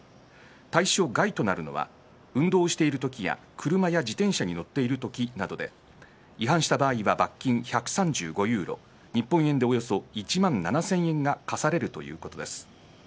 対象外となるのは運動しているときや車や自転車に乗っているときなどで違反した場合は罰金１３５ユーロ日本円でおよそ１万円が科されるということです。